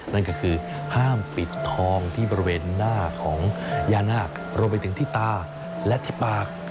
นั่นก็คือห้ามปิดทองที่บริเวณหน้าของย่านาครวมไปถึงที่ตาและที่ปาก